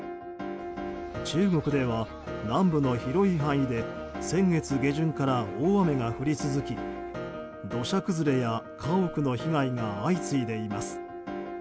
中国では南部の広い範囲で先月下旬から大雨が降り続き土砂崩れや家屋の被害が相次いでいます。